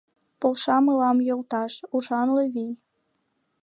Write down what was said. Полша мылам йолташ — ӱшанле вий.